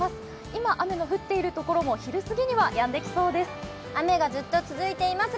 今、雨の降っているところも昼すぎにはやんできそうです。